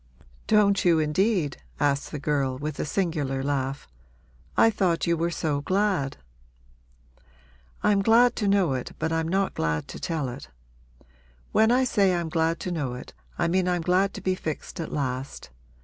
'Don't you, indeed?' asked the girl with a singular laugh. 'I thought you were so glad.' 'I'm glad to know it but I'm not glad to tell it. When I say I'm glad to know it I mean I'm glad to be fixed at last.